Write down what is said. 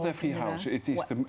tidak bukan setiap rumah